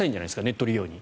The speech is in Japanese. ネット利用に。